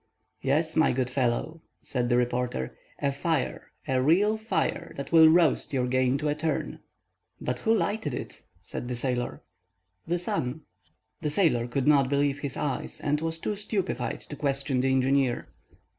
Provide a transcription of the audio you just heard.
"Yes, my good fellow," said the reporter, "a fire, a real fire, that will roast your game to a turn." "But who lighted it?" said the sailor. "The sun." The sailor could not believe his eyes, and was too stupefied to question the engineer.